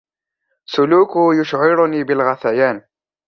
سلوكه يشعرني بالغثيان.